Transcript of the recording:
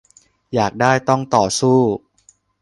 อยากได้ต้องต่อสู้